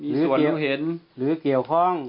มีส่วนรู้เห็นหรือเกี่ยวข้อง